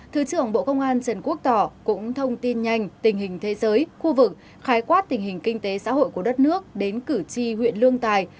thứ trưởng bộ công an trần quốc tỏ cũng thông tin nhanh tình hình thế giới khu vực khái quát tình hình kinh tế xã hội của đất nước đến cử tri huyện lương tài